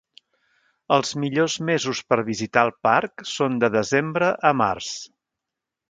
Els millors mesos per visitar el parc són de desembre a mars.